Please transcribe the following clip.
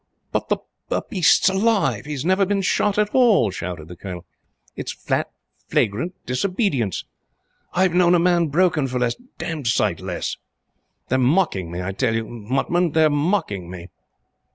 "But the beast's alive! He's never been shot at all!" shouted the Colonel. "It's flat, flagrant disobedience! I've known a man broke for less, d d sight less. They're mocking me, I tell you, Mutman! They're mocking me!"